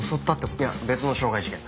いや別の傷害事件だ。